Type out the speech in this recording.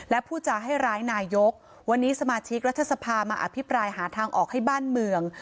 และผู้จาให้ร้ายนายกวันนี้สมาชิกรัฐสภามาอภิปรายหาทางออกให้บ้านเมือง